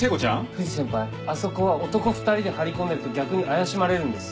藤先輩あそこは男２人で張り込んでると逆に怪しまれるんです。